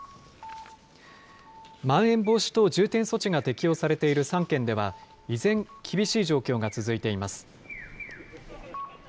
まん延防止等重点措置が適用されている３県では、依然、厳しい状況が続いています。